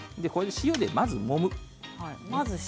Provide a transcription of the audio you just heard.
塩で、まずもむ。